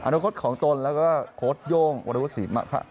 อนุโค้ดของต้นและโค้ดโยงวรรษีมากค่ะ